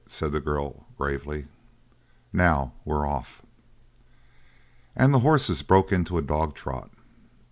said the girl gravely. "Now we're off." And the horses broke into a dog trot.